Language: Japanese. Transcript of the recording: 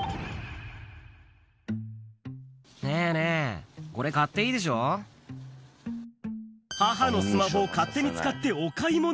ねぇねぇ、これ、買っていい母のスマホを勝手に使ってお買い物。